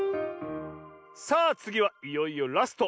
さあつぎはいよいよラスト。